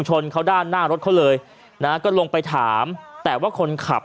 ชนเขาด้านหน้ารถเขาเลยนะฮะก็ลงไปถามแต่ว่าคนขับ